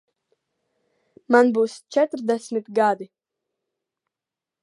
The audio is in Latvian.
Man būs četrdesmit gadi.